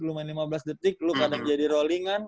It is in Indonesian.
lo main lima belas detik lo kadang jadi rollingan